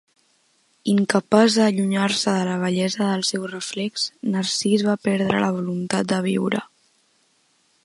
Incapaç d'allunyar-se de la bellesa del seu reflex, Narcís va perdre la voluntat de viure.